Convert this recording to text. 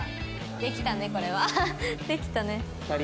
できたねこれは。できたね。